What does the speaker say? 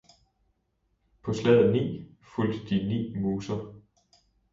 På slaget ni fulgte de ni muser.